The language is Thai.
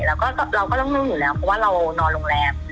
แล้วก็เราก็ต้องนั่งอยู่แล้วเพราะว่าเรานอนโรงแรม